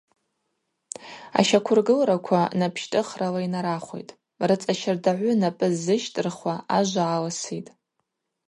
Ащаквыргылраква напӏщтӏыхрала йнарахвитӏ, рыцӏа щардагӏвы напӏы ззыщтӏырхуа ажва алситӏ.